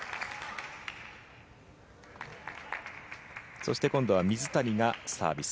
そして今度は水谷がサービス。